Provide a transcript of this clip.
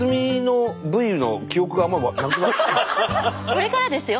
これからですよ